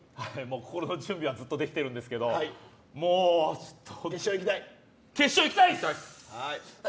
心の準備はずっとできてるんですけどもう決勝、いきたいです。